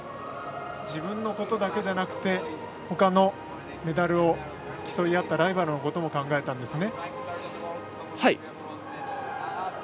自分のことだけじゃなくてほかのメダルを競い合ったライバルのことも考えたんですね。